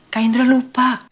kak indra lupa